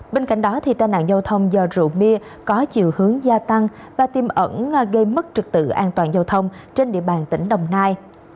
bên cạnh đó tai nạn giao thông do rượu bia có chiều hướng gia tăng và tiêm ẩn gây mất trực tự an toàn giao thông trên địa bàn tỉnh đồng nai